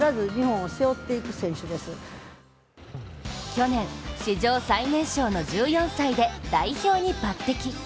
去年、史上最年少の１４歳で代表に抜てき。